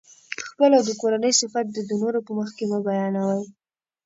خپل او د کورنۍ صفت دي د نورو په مخکي مه بیانوئ!